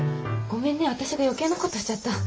ごめんね私が余計なことしちゃった。